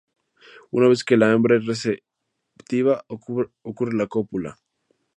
Una vez que la hembra es receptiva ocurre la cópula.